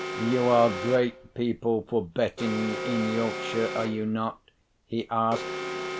"You are great people for betting in Yorkshire, are you not?" he asked.